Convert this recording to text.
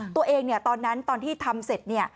ตัวเองตอนนั้นตอนที่ทำเสร็จเนี่ย